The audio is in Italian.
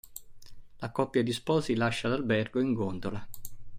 La coppia di sposi lascia l’albergo in gondola.